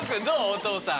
お父さん。